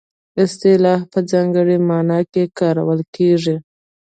اصطلاح په ځانګړې مانا کې کارول کیږي